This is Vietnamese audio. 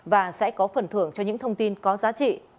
và sẽ có phần thưởng cho những thông tin có giá trị